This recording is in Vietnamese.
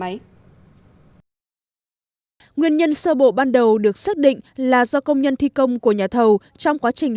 nguyên nhân sơ bộ ban đầu được xác định là do công nhân thi công của nhà thầu trong quá trình